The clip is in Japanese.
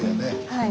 はい。